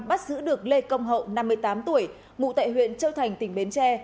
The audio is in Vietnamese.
bắt giữ được lê công hậu năm mươi tám tuổi ngụ tại huyện châu thành tỉnh bến tre